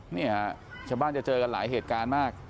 นี่ฮะชาวบ้านจะเจอกันหลายเหตุการณ์มาก